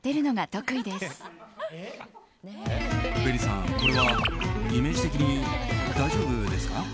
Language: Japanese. ＢＥＮＩさん、これはイメージ的に大丈夫ですか？